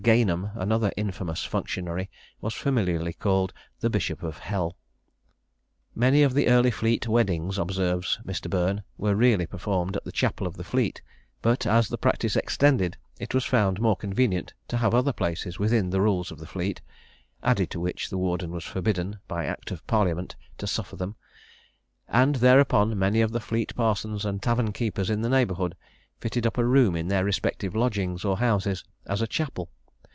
Gaynham, another infamous functionary, was familiarly called the Bishop of Hell. "Many of the early Fleet weddings," observes Mr. Burn, "were really performed at the chapel of the Fleet; but as the practice extended, it was found more convenient to have other places, within the Rules of the Fleet, (added to which, the Warden was forbidden, by act of parliament, to suffer them,) and, thereupon, many of the Fleet parsons and tavern keepers in the neighbourhood fitted up a room in their respective lodgings or houses as a chapel!